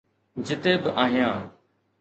جتي به آهيان.